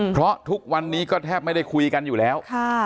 เพราะทุกวันนี้ก็แทบไม่ได้คุยกันอยู่แล้ว